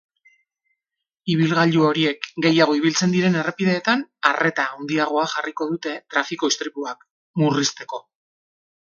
Ibilgailu horiek gehiago ibiltzen diren errepideetan arreta handiagoa jarriko dute trafiko istripuak murrizteko.